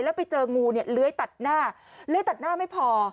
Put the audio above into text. แล้วไปเจองูเนี่ยเลื้อยตัดหน้าเลื้อยตัดหน้าไม่พอ